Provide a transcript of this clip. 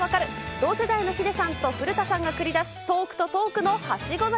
同世代のヒデさんと古田さんが繰り出すトークとトークのはしご酒。